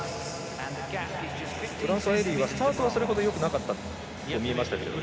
フランソワエリーはスタートはそれほどよくなかったように見えましたけれども。